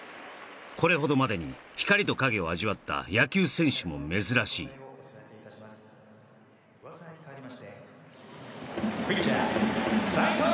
これほどまでに光と影を味わった野球選手も珍しいピッチャー